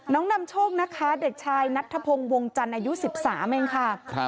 นำโชคนะคะเด็กชายนัทธพงศ์วงจันทร์อายุ๑๓เองค่ะ